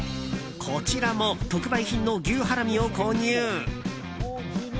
こちらも特売品の牛ハラミを購入。